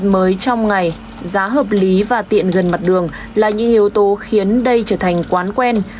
mới trong ngày giá hợp lý và tiện gần mặt đường là những yếu tố khiến đây trở thành quán quen